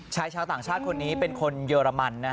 ชายชาวต่างชาติคนนี้เป็นคนเยอรมัน